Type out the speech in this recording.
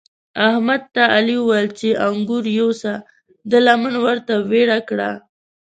احمد ته علي وويل چې انګور یوسه؛ ده لمن ورته ويړه کړه.